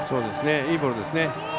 いいボールですね。